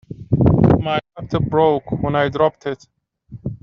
My laptop broke when I dropped it.